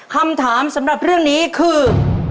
คำถามสำหรับเรื่องนี้คือ